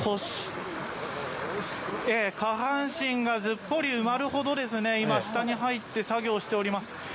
下半身がずっぽり埋まるほど下に入って作業をしております。